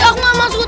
aku mau masuk